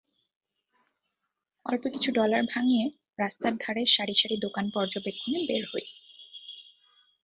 অল্পকিছু dollar ভাঙিয়ে রাস্তার ধারের সারি সারি দোকান পর্যবেক্ষণে বের হই।